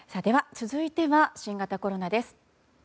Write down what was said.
続いては新型コロナです。